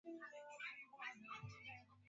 kuenea Tanzania Kilitumika kama lugha ya taifa